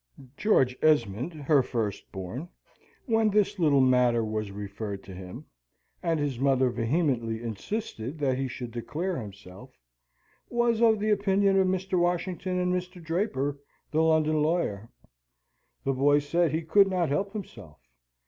George Esmond, her firstborn, when this little matter was referred to him, and his mother vehemently insisted that he should declare himself, was of the opinion of Mr. Washington, and Mr. Draper, the London lawyer. The boy said he could not help himself.